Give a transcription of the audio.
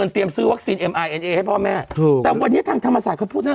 นี่อันนี้ทุกคน